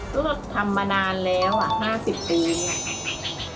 ก็ทำมานานแล้วห้าสิบปีนี่